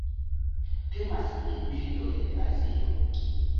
Temas pri birdoj de Azio.